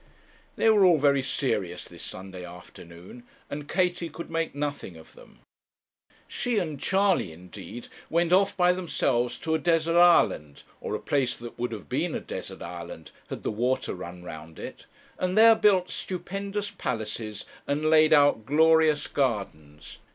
They were all very serious this Sunday afternoon, and Katie could make nothing of them. She and Charley, indeed, went off by themselves to a desert island, or a place that would have been a desert island had the water run round it, and there built stupendous palaces and laid out glorious gardens.